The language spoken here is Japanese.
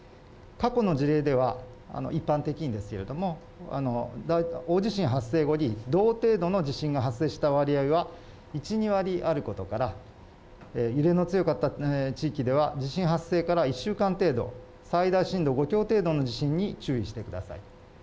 過去の事例では、一般的にですけれども、大地震発生後に同程度の地震が発生した割合は１、２割あることから、揺れの強かった地域では、地震発生から１週間程度、最大震度５強程度の地震に注意してください。